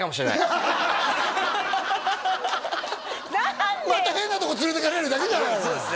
ホントにまた変なとこ連れていかれるだけじゃないの？